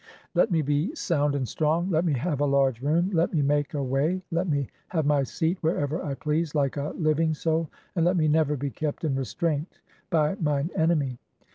Let me be sound "and strong, let me have a large room, let me make a way, "let me have my seat wherever I please, like a living soul, (9) "and let me never be kept in restraint by mine enemy.'"